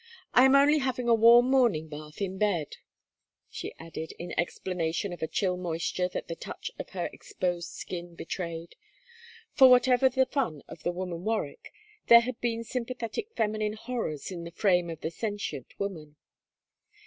'I'm only having a warm morning bath in bed,' she added, in explanation of a chill moisture that the touch of her exposed skin betrayed; for whatever the fun of the woman Warwick, there had been sympathetic feminine horrors in the frame of the sentient woman.